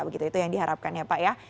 begitu itu yang diharapkan ya pak ya